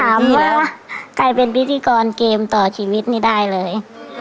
ว่าใครเป็นพิธีกรเกมต่อชีวิตนี่ได้เลย